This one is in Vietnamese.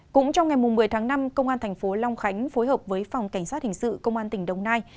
cũng trong ngày một mươi tháng năm công an thành phố long khánh phối hợp với phòng cảnh sát hình sự công an tỉnh đồng nai